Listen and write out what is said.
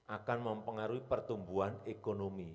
akan mempengaruhi pertumbuhan ekonomi